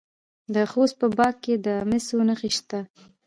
د خوست په باک کې د مسو نښې شته.